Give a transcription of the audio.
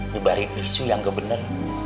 dibariin isu yang gak bener